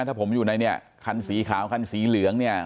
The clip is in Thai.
ถ้าผมอยู่ในเนี่ยคันสีขาวคันสีเหลืองเนี่ย